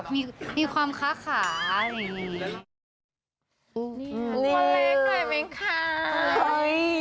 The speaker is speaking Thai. มันจะมีความค่าหรือยังนี้